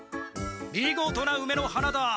見事なうめの花だ。